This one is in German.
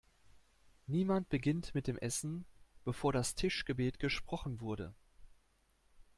Niemand beginnt mit dem Essen, bevor das Tischgebet gesprochen wurde!